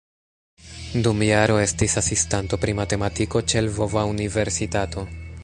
Dum jaro estis asistanto pri matematiko ĉe Lvova Universitato.